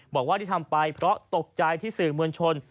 บอกว่าที่ทำไปเพราะตกใจที่สื่อมวลชน